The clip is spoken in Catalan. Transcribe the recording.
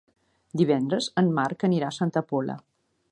Divendres en Marc anirà a Santa Pola.